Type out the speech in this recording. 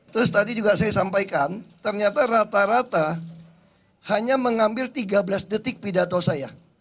terus tadi juga saya sampaikan ternyata rata rata hanya mengambil tiga belas detik pidato saya